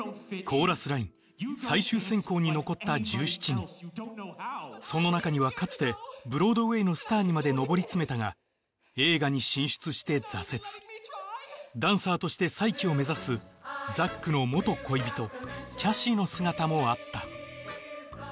「コーラスライン」最終選考に残った１７人その中にはかつてブロードウェイのスターにまで上り詰めたが映画に進出して挫折ダンサーとして再起を目指すザックの元恋人キャシーの姿もあった